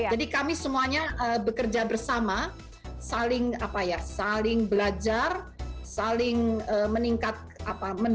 jadi kami semuanya bekerja bersama saling belajar saling mendorong peningkatan pengetahuan